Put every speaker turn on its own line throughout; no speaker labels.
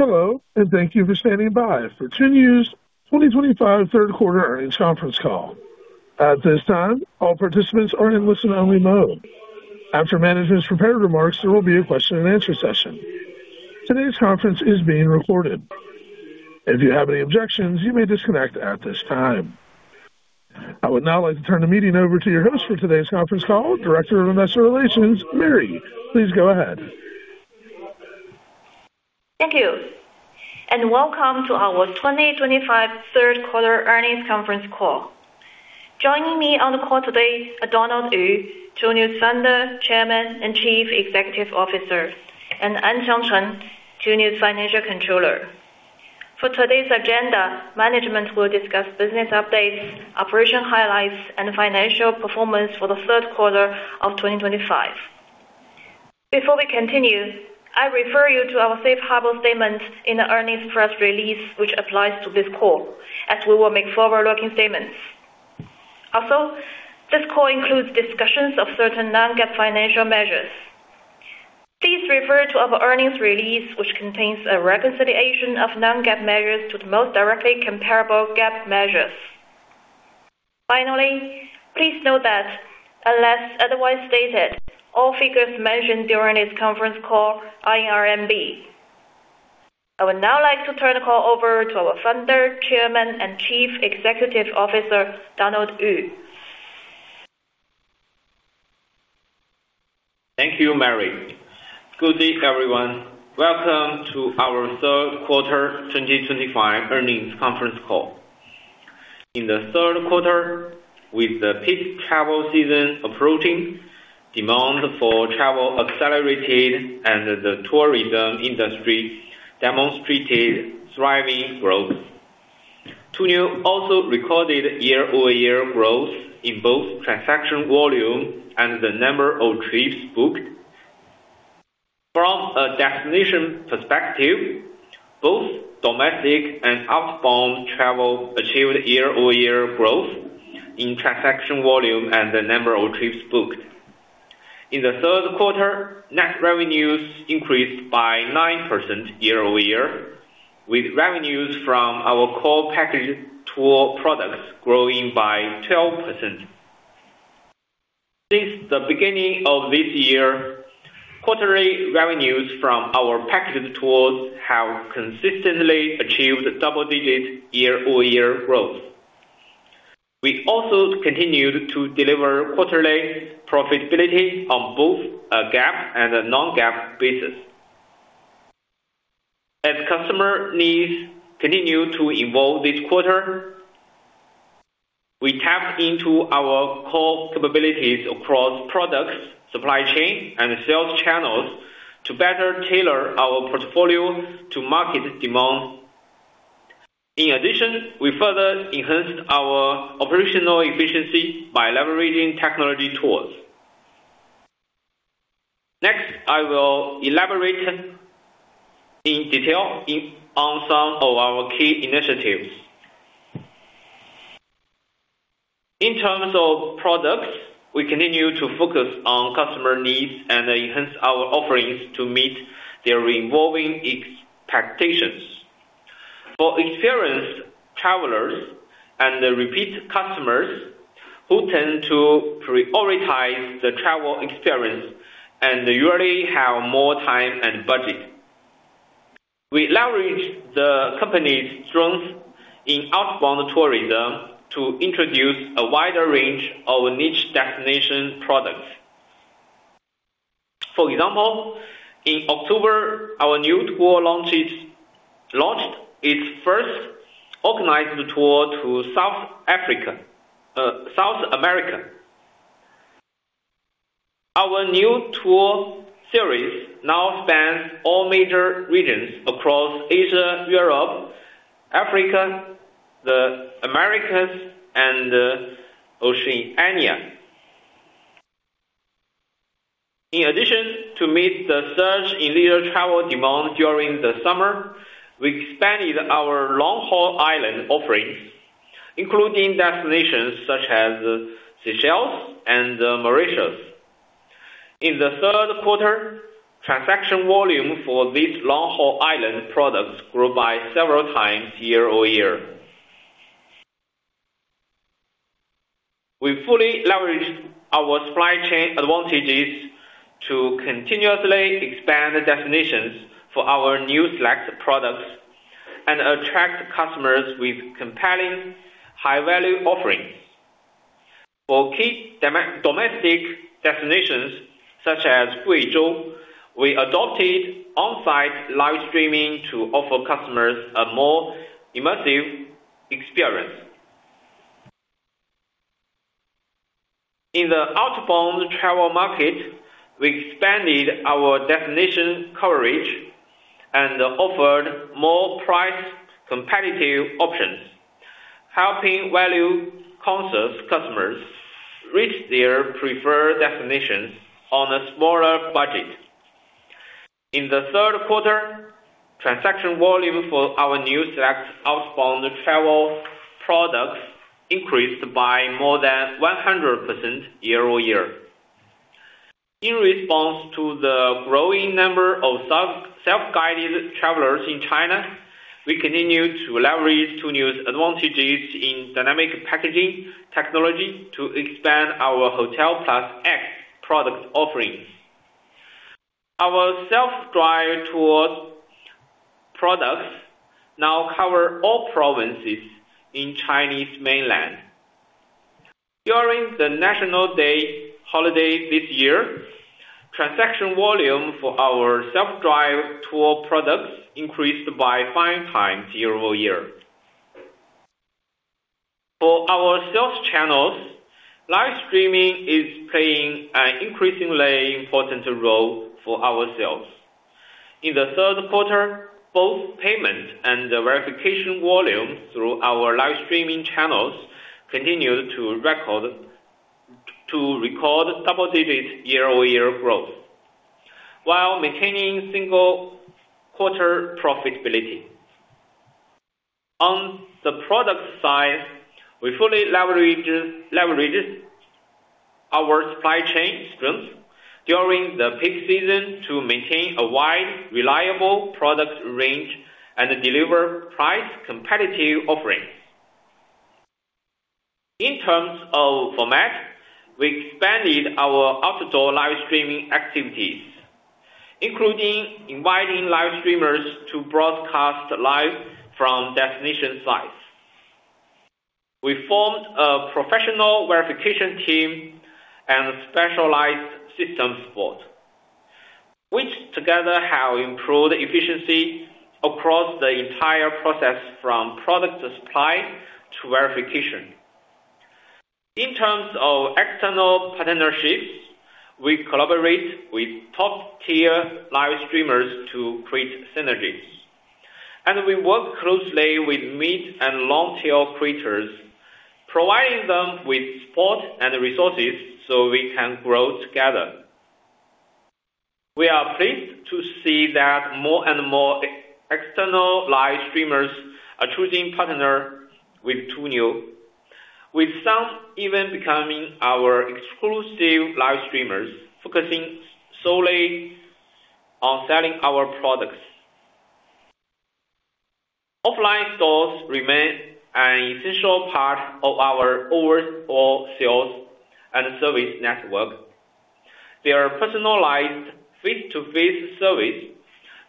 Hello, and thank you for standing by for Tuniu's 2025 third quarter earnings conference call. At this time, all participants are in listen-only mode. After management's prepared remarks, there will be a question-and-answer session. Today's conference is being recorded. If you have any objections, you may disconnect at this time. I would now like to turn the meeting over to your host for today's conference call, Director of Investor Relations, Mary. Please go ahead.
Thank you and welcome to our 2025 third quarter earnings conference call. Joining me on the call today are Donald Lu, Tuniu's founder, chairman, and Chief Executive Officer, and Anqiang Chen, Tuniu's financial controller. For today's agenda, management will discuss business updates, operation highlights, and financial performance for the third quarter of 2025. Before we continue, I refer you to our safe harbor statement in the earnings press release, which applies to this call, as we will make forward-looking statements. Also, this call includes discussions of certain non-GAAP financial measures. Please refer to our earnings release, which contains a reconciliation of non-GAAP measures to the most directly comparable GAAP measures. Finally, please note that, unless otherwise stated, all figures mentioned during this conference call are in RMB. I would now like to turn the call over to our founder, chairman, and Chief Executive Officer, Donald Lu.
Thank you, Mary. Good evening, everyone. Welcome to our third quarter 2025 earnings conference call. In the third quarter, with the peak travel season approaching, demand for travel accelerated, and the tourism industry demonstrated thriving growth. Tuniu also recorded year-over-year growth in both transaction volume and the number of trips booked. From a definition perspective, both domestic and outbound travel achieved year-over-year growth in transaction volume and the number of trips booked. In the third quarter, net revenues increased by 9% year-over-year, with revenues from our core packaged tour products growing by 12%. Since the beginning of this year, quarterly revenues from our packaged tours have consistently achieved double-digit year-over-year growth. We also continued to deliver quarterly profitability on both a GAAP and a non-GAAP basis. As customer needs continue to evolve this quarter, we tapped into our core capabilities across products, supply chain, and sales channels to better tailor our portfolio to market demand. In addition, we further enhanced our operational efficiency by leveraging technology tools. Next, I will elaborate in detail on some of our key initiatives. In terms of products, we continue to focus on customer needs and enhance our offerings to meet their evolving expectations. For experienced travelers and repeat customers who tend to prioritize the travel experience and rarely have more time and budget, we leverage the company's strength in outbound tourism to introduce a wider range of niche destination products. For example, in October, our Niu Tour launched its first organized tour to South America. Our Niu Tour series now spans all major regions across Asia, Europe, Africa, the Americas, and Oceania. In addition, to meet the surge in leisure travel demand during the summer, we expanded our long-haul island offerings, including destinations such as Seychelles and Mauritius. In the third quarter, transaction volume for these long-haul island products grew by several times year-over-year. We fully leveraged our supply chain advantages to continuously expand destinations for our new select products and attract customers with compelling, high-value offerings. For key domestic destinations such as Guizhou, we adopted on-site live streaming to offer customers a more immersive experience. In the outbound travel market, we expanded our destination coverage and offered more price-competitive options, helping value-conscious customers reach their preferred destinations on a smaller budget. In the third quarter, transaction volume for our new select outbound travel products increased by more than 100% year-over-year. In response to the growing number of self-guided travelers in China, we continue to leverage Tuniu's advantages in dynamic packaging technology to expand our Hotel Plus X product offerings. Our self-drive tour products now cover all provinces in Chinese mainland. During the National Day holiday this year, transaction volume for our self-drive tour products increased by five times year-over-year. For our sales channels, live streaming is playing an increasingly important role for our sales. In the third quarter, both payment and verification volume through our live streaming channels continued to record double-digit year-over-year growth, while maintaining single quarter profitability. On the product side, we fully leveraged our supply chain strength during the peak season to maintain a wide, reliable product range and deliver price-competitive offerings. In terms of format, we expanded our outdoor live streaming activities, including inviting live streamers to broadcast live from destination sites. We formed a professional verification team and specialized systems support, which together have improved efficiency across the entire process from product supply to verification. In terms of external partnerships, we collaborate with top-tier live streamers to create synergies, and we work closely with mid and long-tail creators, providing them with support and resources so we can grow together. We are pleased to see that more and more external live streamers are choosing partners with Tuniu, with some even becoming our exclusive live streamers, focusing solely on selling our products. Offline stores remain an essential part of our overall sales and service network. Their personalized face-to-face service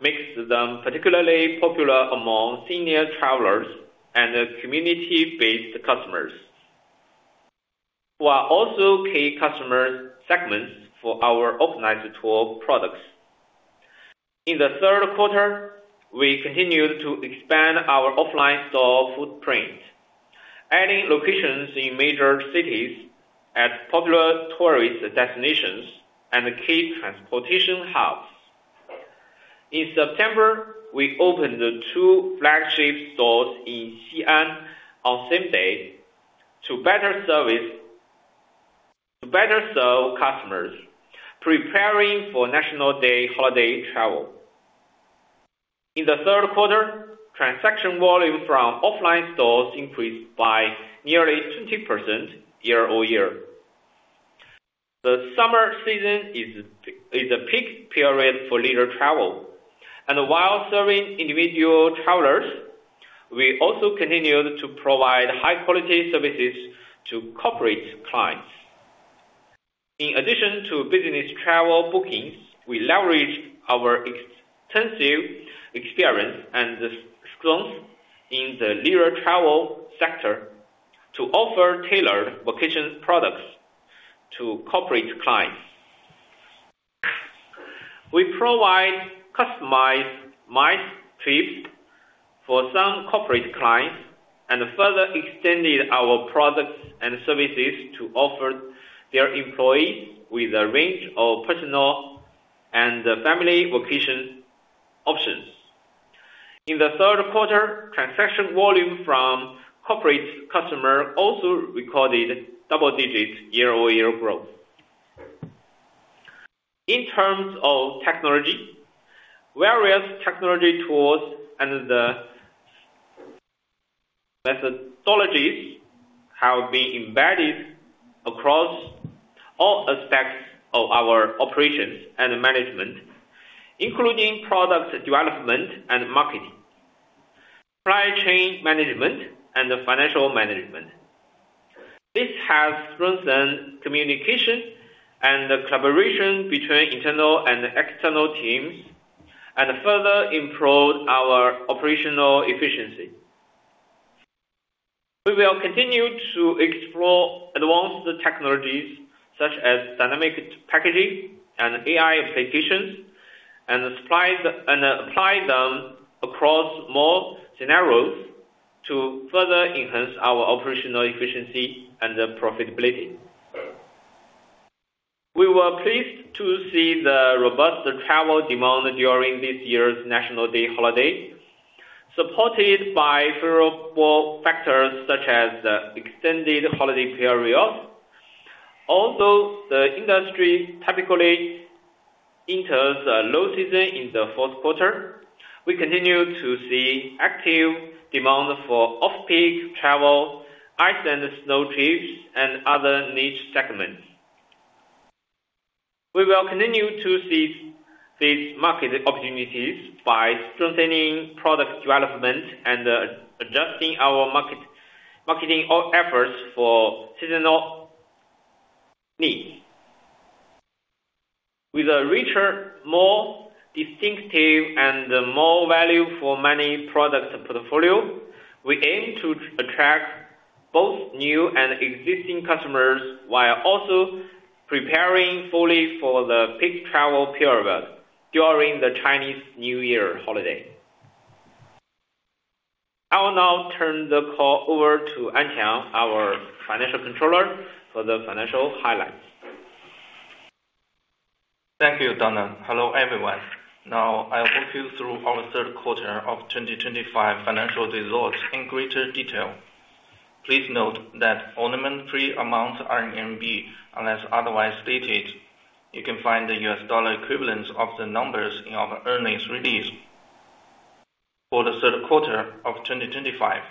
makes them particularly popular among senior travelers and community-based customers, who are also key customer segments for our organized tour products. In the third quarter, we continued to expand our offline store footprint, adding locations in major cities as popular tourist destinations and key transportation hubs. In September, we opened two flagship stores in Xi'an on the same day to better serve customers, preparing for National Day holiday travel. In the third quarter, transaction volume from offline stores increased by nearly 20% year-over-year. The summer season is a peak period for leisure travel, and while serving individual travelers, we also continued to provide high-quality services to corporate clients. In addition to business travel bookings, we leveraged our extensive experience and strengths in the leisure travel sector to offer tailored vacation products to corporate clients. We provide customized MICE trips for some corporate clients and further extended our products and services to offer their employees with a range of personal and family vacation options. In the third quarter, transaction volume from corporate customers also recorded double-digit year-over-year growth. In terms of technology, various technology tools and methodologies have been embedded across all aspects of our operations and management, including product development and marketing, supply chain management, and financial management. This has strengthened communication and collaboration between internal and external teams and further improved our operational efficiency. We will continue to explore advanced technologies such as dynamic packaging and AI applications and apply them across more scenarios to further enhance our operational efficiency and profitability. We were pleased to see the robust travel demand during this year's National Day holiday, supported by favorable factors such as the extended holiday period. Although the industry typically enters a low season in the fourth quarter, we continue to see active demand for off-peak travel, ice and snow trips, and other niche segments. We will continue to seize these market opportunities by strengthening product development and adjusting our marketing efforts for seasonal needs. With a richer, more distinctive, and more value-for-money product portfolio, we aim to attract both new and existing customers while also preparing fully for the peak travel period during the Chinese New Year holiday. I will now turn the call over to Anqiang, our financial controller, for the financial highlights.
Thank you, Donald. Hello, everyone. Now, I'll walk you through our third quarter of 2025 financial results in greater detail. Please note that all monetary amounts are in RMB unless otherwise stated. You can find the U.S dollar equivalents of the numbers in our earnings release. For the third quarter of 2025,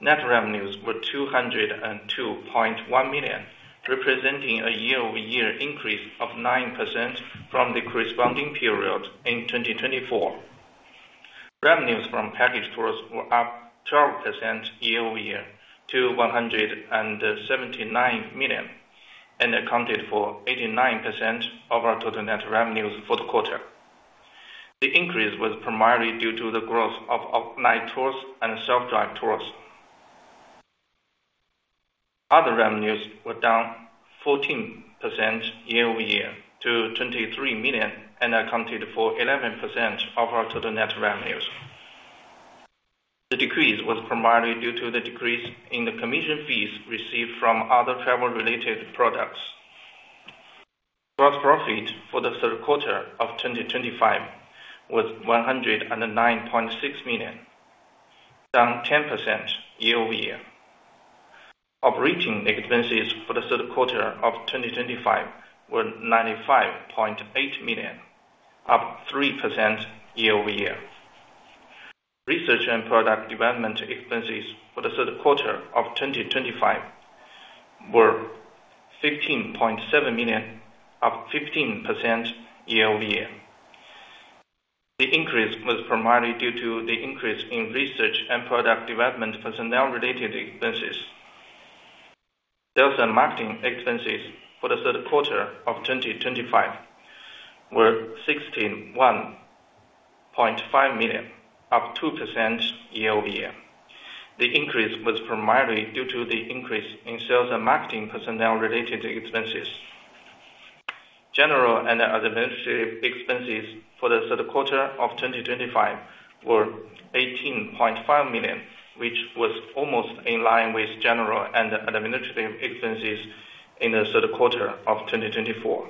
net revenues were 202.1 million, representing a year-over-year increase of 9% from the corresponding period in 2024. Revenues from packaged tours were up 12% year-over-year to 179 million and accounted for 89% of our total net revenues for the quarter. The increase was primarily due to the growth of Niu tours and self-drive tours. Other revenues were down 14% year-over-year to 23 million and accounted for 11% of our total net revenues. The decrease was primarily due to the decrease in the commission fees received from other travel-related products. Gross profit for the third quarter of 2025 was 109.6 million, down 10% year-over-year. Operating expenses for the third quarter of 2025 were 95.8 million, up 3% year-over-year. Research and product development expenses for the third quarter of 2025 were 15.7 million, up 15% year-over-year. The increase was primarily due to the increase in research and product development personnel-related expenses. Sales and marketing expenses for the third quarter of 2025 were 61.5 million, up 2% year-over-year. The increase was primarily due to the increase in sales and marketing personnel-related expenses. General and administrative expenses for the third quarter of 2025 were 18.5 million, which was almost in line with general and administrative expenses in the third quarter of 2024.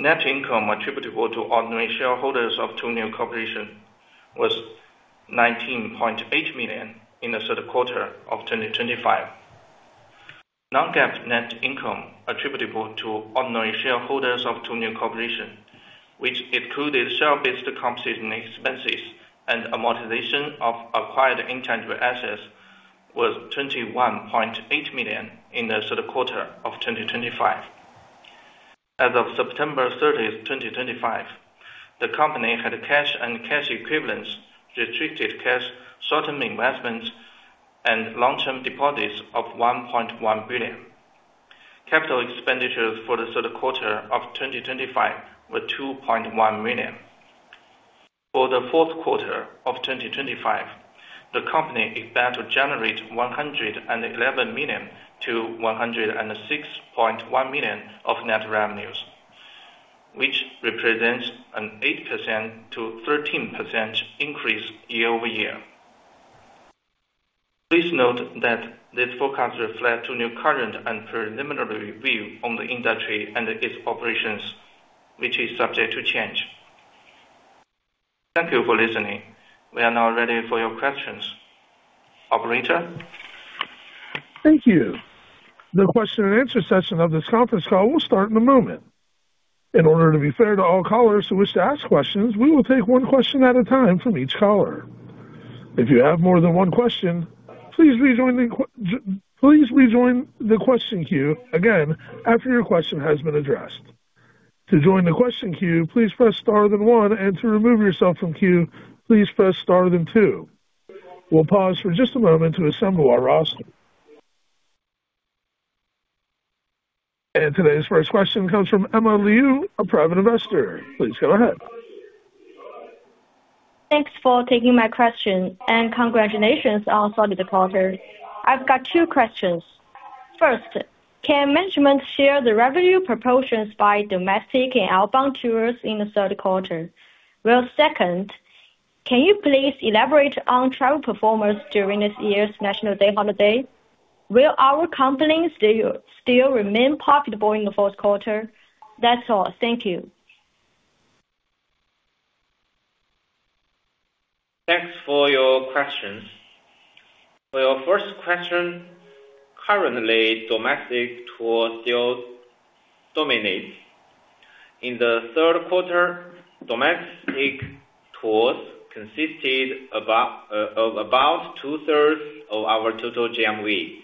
Net income attributable to ordinary shareholders of Tuniu Corporation was 19.8 million in the third quarter of 2025. Non-GAAP net income attributable to ordinary shareholders of Tuniu Corporation, which included share-based compensation expenses and amortization of acquired intangible assets, was 21.8 million in the third quarter of 2025. As of September 30, 2025, the company had cash and cash equivalents, restricted cash, short-term investments, and long-term deposits of 1.1 billion. Capital expenditures for the third quarter of 2025 were 2.1 million. For the fourth quarter of 2025, the company is bound to generate 111 million to 106.1 million of net revenues, which represents an 8% t13% increase year-over-year. Please note that this forecast reflects Tuniu's current and preliminary view on the industry and its operations, which is subject to change. Thank you for listening. We are now ready for your questions. Operator.
Thank you. The question-and-answer session of this conference call will start in a moment. In order to be fair to all callers who wish to ask questions, we will take one question at a time from each caller. If you have more than one question, please rejoin the question queue again after your question has been addressed. To join the question queue, please press star then one, and to remove yourself from queue, please press star then two. We'll pause for just a moment to assemble our roster. And today's first question comes from Emma Liu, a private investor. Please go ahead.
Thanks for taking my question, and congratulations on solid quarter. I've got two questions. First, can management share the revenue proportions by domestic and outbound tours in the third quarter? Well, second, can you please elaborate on travel performers during this year's National Day holiday? Will our companies still remain profitable in the fourth quarter? That's all. Thank you.
Thanks for your questions. For your first question, currently, domestic tours still dominate. In the third quarter, domestic tours consisted of about two-thirds of our total GMV,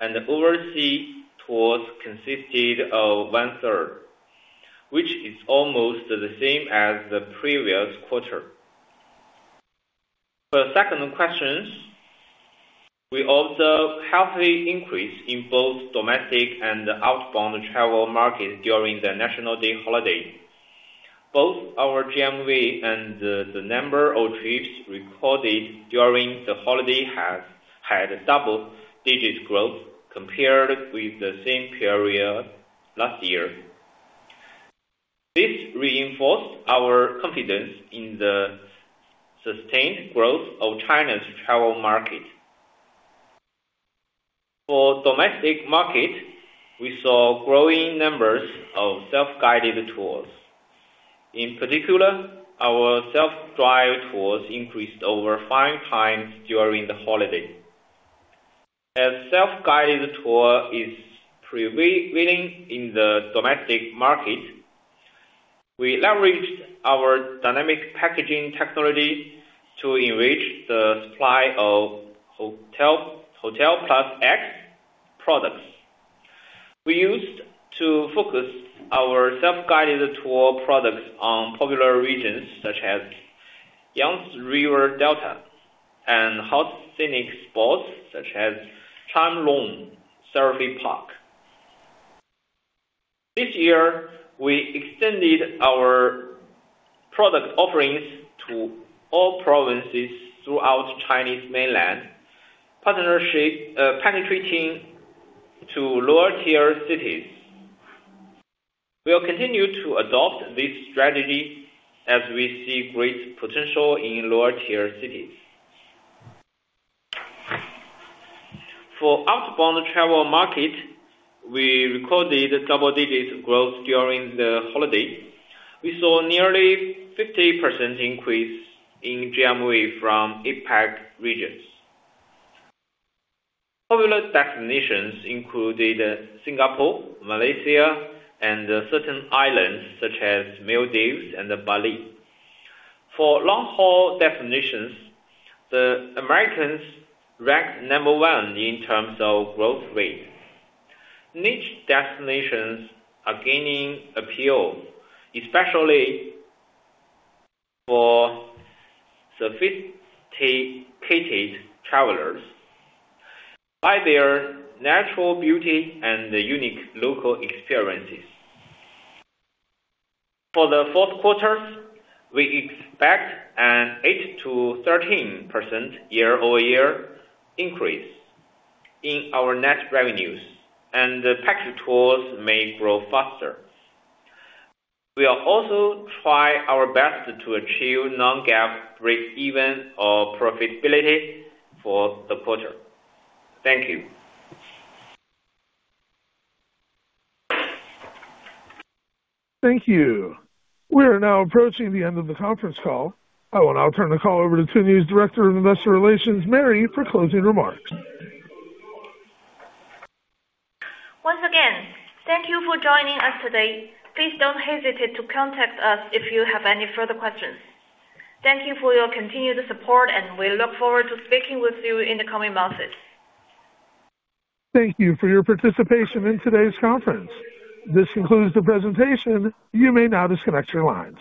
and overseas tours consisted of one-third, which is almost the same as the previous quarter. For the second question, we observed a healthy increase in both domestic and outbound travel markets during the National Day holiday. Both our GMV and the number of trips recorded during the holiday have had double-digit growth compared with the same period last year. This reinforced our confidence in the sustained growth of China's travel market. For domestic market, we saw growing numbers of self-guided tours. In particular, our self-drive tours increased over five times during the holiday. As self-guided tour is prevailing in the domestic market, we leveraged our dynamic packaging technology to enrich the supply of Hotel Plus X products. We used to focus our self-guided tour products on popular regions such as Yangtze River Delta and hot scenic spots such as Changlong Surfing Park. This year, we extended our product offerings to all provinces throughout Chinese mainland, penetrating to lower-tier cities. We will continue to adopt this strategy as we see great potential in lower-tier cities. For outbound travel market, we recorded double-digit growth during the holiday. We saw nearly 50% increase in GMV from APAC regions. Popular destinations included Singapore, Malaysia, and certain islands such as Maldives and Bali. For long-haul destinations, the Americas ranked number one in terms of growth rate. Niche destinations are gaining appeal, especially for sophisticated travelers by their natural beauty and unique local experiences. For the fourth quarter, we expect an 8%-13% year-over-year increase in our net revenues, and packaged tours may grow faster. We will also try our best to achieve non-GAAP break-even profitability for the quarter. Thank you.
Thank you. We are now approaching the end of the conference call. I will now turn the call over to Tuniu's Director of Investor Relations, Mary, for closing remarks.
Once again, thank you for joining us today. Please don't hesitate to contact us if you have any further questions. Thank you for your continued support, and we look forward to speaking with you in the coming months.
Thank you for your participation in today's conference. This concludes the presentation. You may now disconnect your lines.